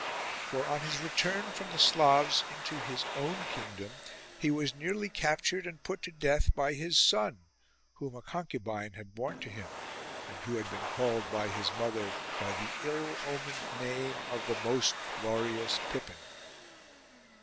For on his return from the Slavs into his own kingdom he was nearly captured »3i PIPPIN'S CONSPIRACY and put to death by his son, whom a concubine had borne to him and who had been called by his mother by the ill omened name of the most glorious Pippin.